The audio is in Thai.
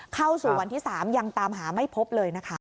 เข้าสู่วันที่๓ยังตามหาไม่พบเลยนะคะ